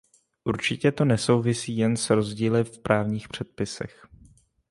Určitě to nesouvisí jen s rozdíly v právních předpisech.